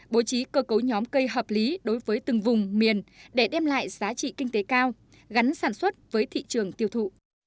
bố trí cơ cấu nhóm cây hợp lý đối với từng vùng miền để đem lại giá trị kinh tế cao gắn sản xuất với thị trường tiêu thụ